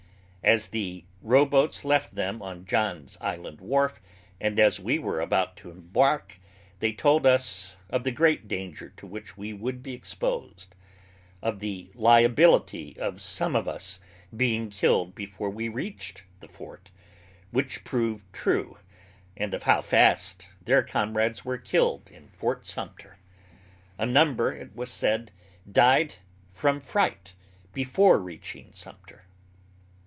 As the rowboats left them on John's island wharf and as we were about to embark they told us of the great danger to which we would be exposed, of the liability of some of us being killed before we reached the fort, which proved true, and of how fast their comrades were killed in Fort Sumter. A number, it was said, died from fright before reaching Sumter.